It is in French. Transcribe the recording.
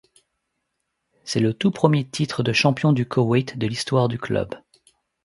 C'est le tout premier titre de champion du Koweït de l'histoire du club.